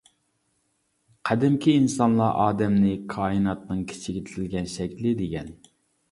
قەدىمكى ئىنسانلار ئادەمنى كائىناتنىڭ كىچىكلىتىلگەن شەكلى دېگەن.